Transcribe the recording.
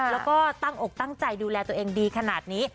แล้วก็ตั้งอกตั้งใจดูแลตัวเองดีขนาดนี้